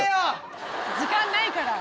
時間ないから。